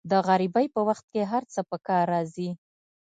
د غریبۍ په وخت کې هر څه په کار راځي.